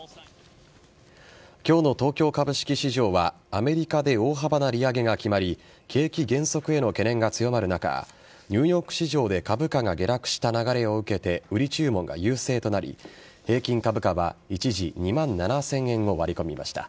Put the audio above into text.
今日の東京株式市場はアメリカで大幅な利上げが決まり景気減速への懸念が強まる中ニューヨーク市場で株価が下落した流れを受けて売り注文が優勢となり平均株価は一時２万７０００円を割り込みました。